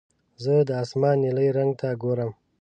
زه د اسمان نیلي رنګ ته ګورم.